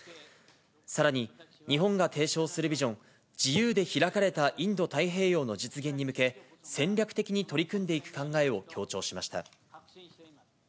さらに、日本が提唱するビジョン、自由で開かれたインド太平洋の実現に向け、戦略的に取り組んでいく考えを強調しました。